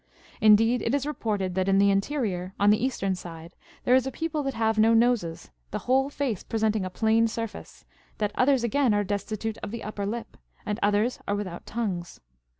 Indeed, it is reported that in the interior, on the eastern side, there is a people that have no noses, the whole face presenting a plane surface ; that others again are destitute of the upper lip, and others are without tongues.